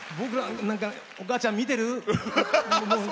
お母ちゃん見てる？